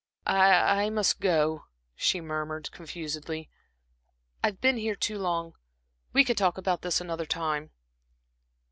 "I I must go," she murmured, confusedly. "I've been here too long. We can talk about all this another time."